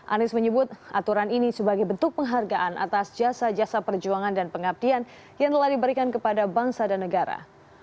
anies menyebut aturan ini sebagai bentuk penghargaan atas jasa jasa perjuangan dan pengabdian yang telah diberikan kepada bangsa dan negara